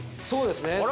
そうですね。